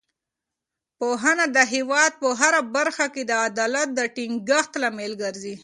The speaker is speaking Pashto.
پوهنه د هېواد په هره برخه کې د عدالت د ټینګښت لامل ګرځي.